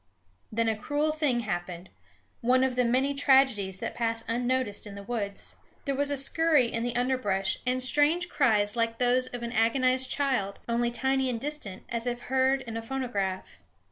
Then a cruel thing happened, one of the many tragedies that pass unnoticed in the woods. There was a scurry in the underbrush, and strange cries like those of an agonized child, only tiny and distant, as if heard in a phonograph.